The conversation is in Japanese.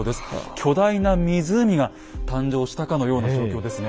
巨大な湖が誕生したかのような状況ですね。